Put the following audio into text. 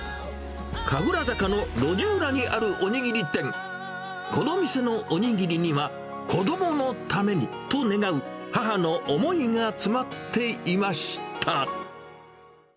神楽坂の路地裏にあるおにぎり店、この店のおにぎりには、子どものためにと願う、母の思いが詰まっていました。